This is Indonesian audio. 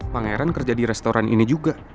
pangeran kerja di restoran ini juga